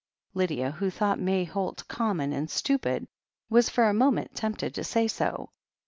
Lydia, who thought May Holt common and stupid, was for a moment tempted to say so.